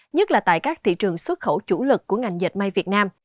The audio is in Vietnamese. nhất là tại các thị trường xuất khẩu chủ lực của ngành dệt may việt nam